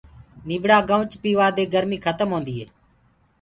نيبڙآ گنوُچ پيوآ دي گرمي کتم هوندي هي۔